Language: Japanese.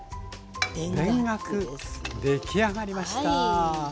出来上がりました。